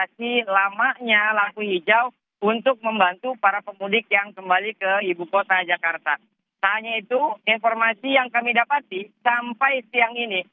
sampai delapan pagi tadi